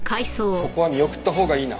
ここは見送ったほうがいいな。